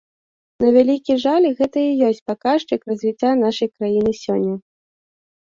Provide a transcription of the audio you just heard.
На вялікі жаль, гэта і ёсць паказчык развіцця нашай краіны сёння.